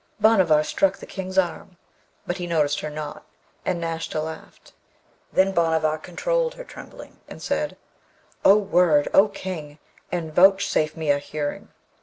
Bhanavar struck the King's arm, but he noticed her not, and Nashta laughed. Then Bhanavar controlled her trembling and said, 'A word, O King! and vouchsafe me a hearing.'